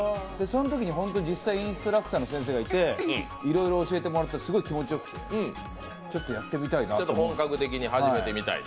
そのときに実際、インストラクターの先生がいていろいろ教えてもらったらすごい気持ちよくて、ちょっとやってみたいなと。